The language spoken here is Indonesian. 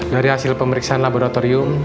dari hasil pemeriksaan laboratorium